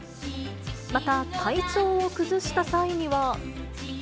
また、体調を崩した際には。